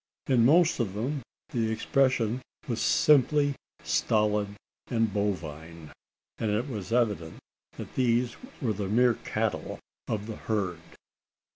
In most of them, the expression was simply stolid and bovine; and it was evident that these were the mere cattle of the herd.